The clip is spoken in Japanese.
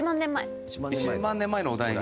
１万年前のお題に？